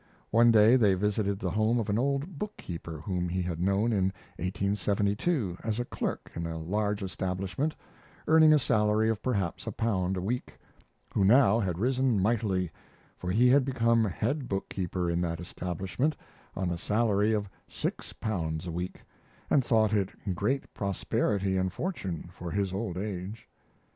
One day they visited the home of an old bookkeeper whom he had known in 1872 as a clerk in a large establishment, earning a salary of perhaps a pound a week, who now had risen mightily, for he had become head bookkeeper in that establishment on a salary of six pounds a week, and thought it great prosperity and fortune for his old age.